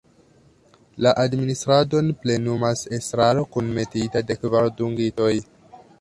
La administradon plenumas estraro kunmetita de kvar dungitoj.